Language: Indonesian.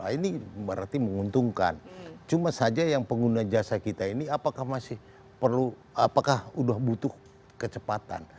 ini berarti menguntungkan cuma saja yang pengguna jasa kita ini apakah masih perlu apakah sudah butuh kecepatan